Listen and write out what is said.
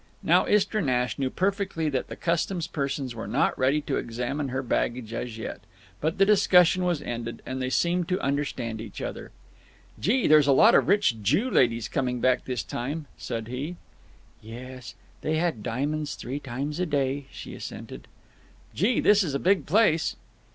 Now Istra Nash knew perfectly that the customs persons were not ready to examine her baggage as yet. But the discussion was ended, and they seemed to understand each other. "Gee, there's a lot of rich Jew ladies coming back this time!" said he. "Yes. They had diamonds three times a day," she assented. "Gee, this is a big place!"